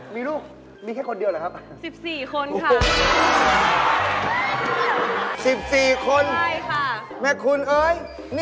มีลูกมีแค่คนเดียวหรือครับ